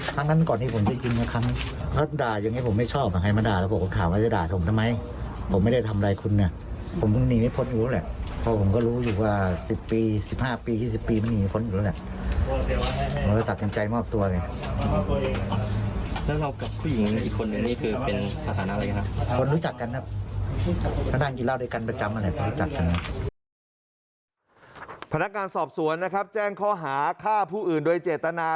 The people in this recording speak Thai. พนักงานสอบสวนนะครับแจ้งข้อหาฆ่าผู้อื่นโดยเจตนา